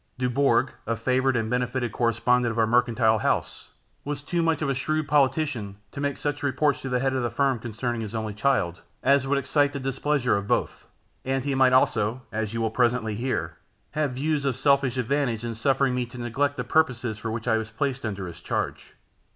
Dubourg, a favoured and benefited correspondent of our mercantile house, was too much of a shrewd politician to make such reports to the head of the firm concerning his only child, as would excite the displeasure of both; and he might also, as you will presently hear, have views of selfish advantage in suffering me to neglect the purposes for which I was placed under his charge.